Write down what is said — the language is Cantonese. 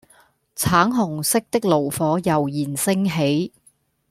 橙紅色的爐火悠然升起